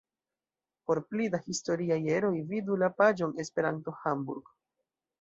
Por pli da historiaj eroj vidu la paĝon Esperanto-Hamburg.